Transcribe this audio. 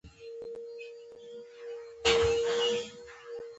په دغه غصبانیت تر اخره ودرېدل.